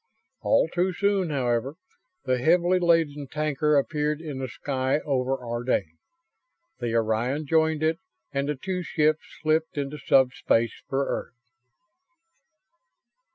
All too soon, however, the heavily laden tanker appeared in the sky over Ardane. The Orion joined it; and the two ships slipped into sub space for Earth.